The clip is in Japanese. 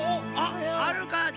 あっはるか！